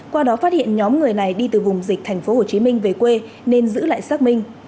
qua đó phát hiện nhóm người này đi từ vùng dịch tp hồ chí minh về quê nên giữ lại xác minh